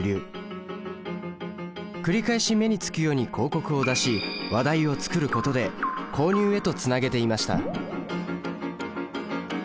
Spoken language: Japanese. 繰り返し目につくように広告を出し話題を作ることで購入へとつなげていました。